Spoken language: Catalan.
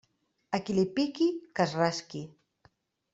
A qui li pique, que es rasque.